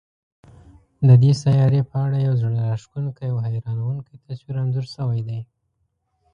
د دې سیارې په اړه یو زړه راښکونکی او حیرانوونکی تصویر انځور شوی دی.